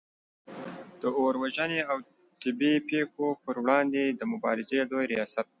د اور وژنې او طبعې پیښو پر وړاندې د مبارزې لوي ریاست